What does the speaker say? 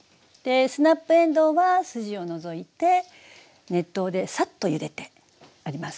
スナップえんどうは筋を除いて熱湯でサッとゆでてあります。